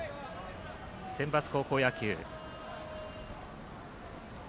センバツ高校野球。